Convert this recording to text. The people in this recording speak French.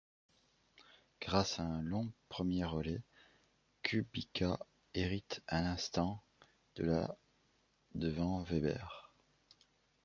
Grâce à un long premier relais, Kubica hérite un instant de la devant Webber.